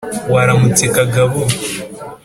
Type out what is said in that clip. waramutse kagabo?